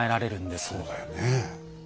そうだよね。